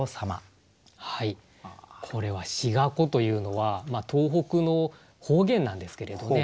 これは「しがこ」というのは東北の方言なんですけれどね